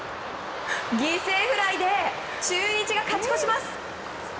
犠牲フライで中日が勝ち越します。